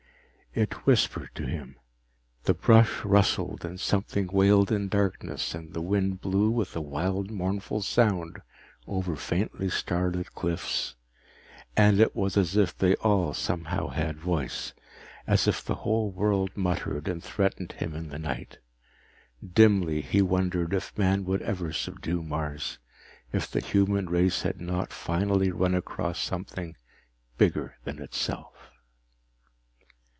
It whispered to him. The brush rustled and something wailed in darkness and the wind blew with a wild mournful sound over faintly starlit cliffs, and it was as if they all somehow had voice, as if the whole world muttered and threatened him in the night. Dimly, he wondered if man would ever subdue Mars, if the human race had not finally run across something bigger than itself.